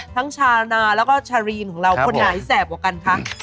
ชานาแล้วก็ชารีนของเราคนไหนแสบกว่ากันคะ